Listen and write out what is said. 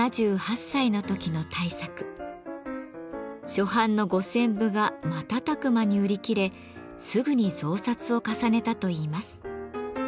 初版の５，０００部が瞬く間に売り切れすぐに増刷を重ねたといいます。